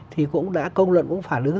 thì cũng đã công luận cũng phản ứng